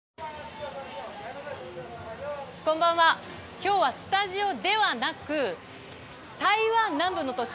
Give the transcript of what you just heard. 今日はスタジオではなく台湾南部の都市